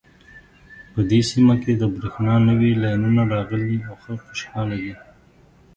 په دې سیمه کې د بریښنا نوې لینونه راغلي او خلک خوشحاله دي